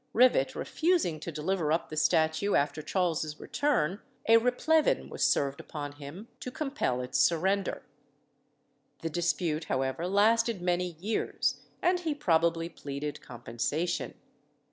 Rivet refusing to deliver up the statue after Charles's return, a replevin was served upon him to compel its surrender. The dispute, however, lasted many years, and he probably pleaded compensation.